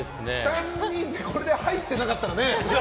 ３人でこれで入ってなかったらね。